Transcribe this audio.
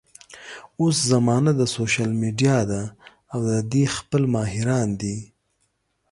اوس زمانه د سوشل ميډيا ده او د دې خپل ماهران دي